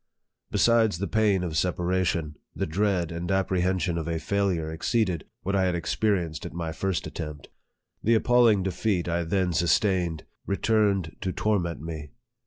Besides the pain of separation, the dreaa and apprehension of a failure exceeded what I had experienced at my first attempt. The appalling de feat I then sustained returned to torment me.